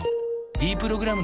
「ｄプログラム」